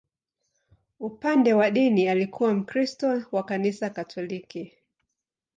Upande wa dini, alikuwa Mkristo wa Kanisa Katoliki.